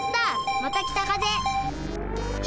また北風。